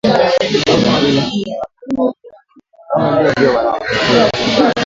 Wameongeza kusema kuwa kuingia kwa jamhuri ya kidemokkrasia ya Kongo